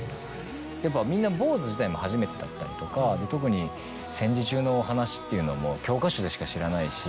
やっぱみんな坊主自体も初めてだったりとか特に戦時中のお話っていうのはもう教科書でしか知らないし。